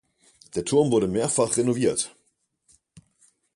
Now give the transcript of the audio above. Der Turm wurde mehrfach renoviert.